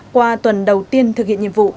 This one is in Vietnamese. qua tuần đầu tiên thực hiện nhiệm vụ